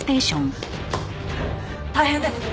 大変です！